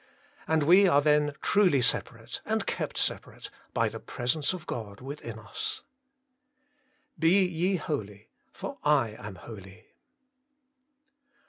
And we are then truly separate, and kept separate, by the presence of God within us. BE YE HOLY, FOR I AM HOLY.